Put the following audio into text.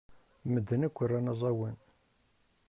Medden akk ran aẓawan.